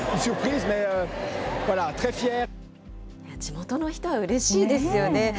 地元の人はうれしいですよね。